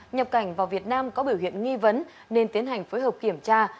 nhập cảnh vào việt nam có biểu hiện nghi vấn nên tiến hành phối hợp kiểm tra